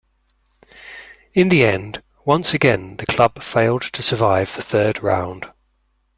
In the end, once again the club failed to survive the third round.